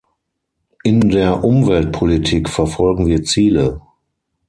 In der Umweltpolitik verfolgen wir Ziele.